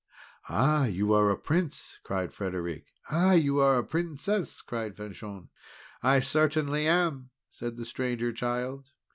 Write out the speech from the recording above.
"Ah! you are a Prince!" cried Frederic. "Ah! you are a Princess!" cried Fanchon. "I certainly am," said the Stranger Child.